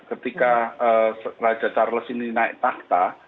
ketika raja charles ini naik tahta